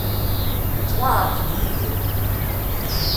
Ittwaεreḍ-d Yidir?